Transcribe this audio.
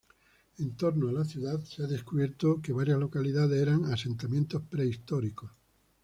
En torno a la ciudad se ha descubierto que varias localidades eran asentamientos prehistóricos.